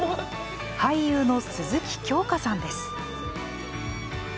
俳優の鈴木京香さんです。